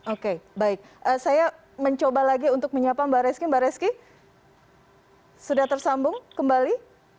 oke baik saya mencoba lagi untuk menyapa mbak reski mbak reski sudah tersambung kembali